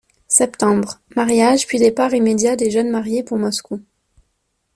Septembre - Mariage, puis départ immédiat des jeunes mariés pour Moscou.